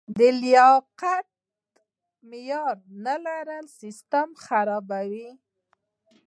د لیاقت معیار نه لرل سیستم خرابوي.